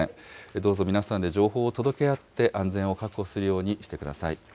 どうぞ皆さんで情報を届け合って、安全を確保するようにしてください。